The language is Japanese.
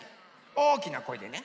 おおきなこえでね。